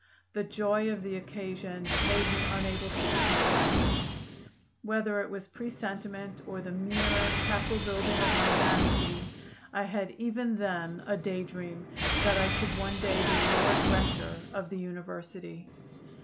The joy of the occasion made me unable to eat my breakfast. Whether it was presentiment or the mere castle building of my vanity, I had even then a day dream that I should one day be Lord Rector of the university."